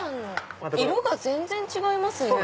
色が全然違いますね。